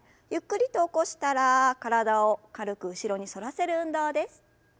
ゆっくりと起こしたら体を軽く後ろに反らせる運動です。